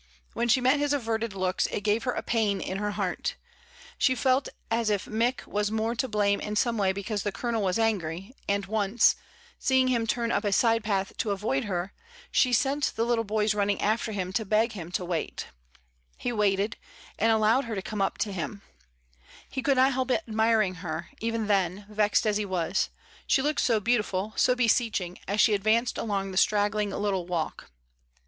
When she met his averted looks it gave her a pain in her "TELL ME WHY SUSANNA'S FAIR." 67 heart; she felt as if Mick was more to blame in some way because the Colonel was angry, and once, seeing him turn up a side path to avoid her, she sent the little boys running after him to beg him to wait He waited, and allowed her to come up to hinL He could not help admiring her, even then, vexed as he was; she looked so beautiful, so be seeching, as she advanced along the straggling little walk.